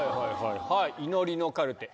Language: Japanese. はい『祈りのカルテ』